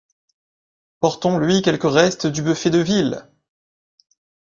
portons-lui quelque reste du buffet de ville!